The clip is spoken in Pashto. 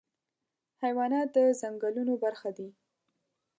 حیوانات د ځنګلونو برخه دي.